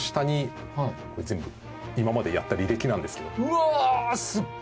うわ！